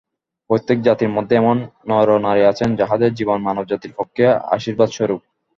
প্রত্যেক জাতির মধ্যেই এমন নরনারী আছেন, যাঁহাদের জীবন মানবজাতির পক্ষে আশীর্বাদস্বরূপ।